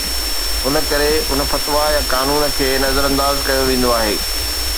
ان ڪري ان فتويٰ يا قانون کي نظرانداز ڪيو ويندو آهي